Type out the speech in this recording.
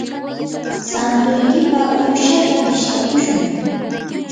santuykipaq uushata pishtakushun.